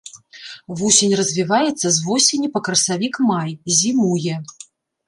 Вусень развіваецца з восені па красавік-май, зімуе.